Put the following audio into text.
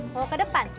kalau ke depan